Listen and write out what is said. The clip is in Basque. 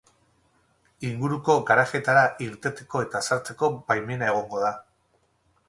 Inguruko garajeetara irteteko eta sartzeko baimena egongo da.